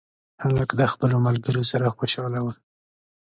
هلک د خپلو ملګرو سره خوشحاله و.